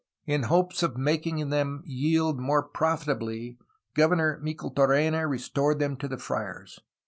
In hopes of making them yield more profitably Governor Micheltorena restored them to the friars.